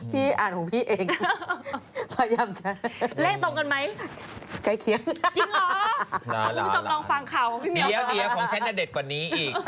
พี่อ่านของพี่เอง